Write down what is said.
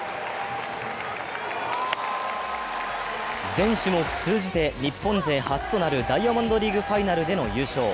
全種目通じて日本勢初となるダイヤモンドリーグファイナルでの優勝。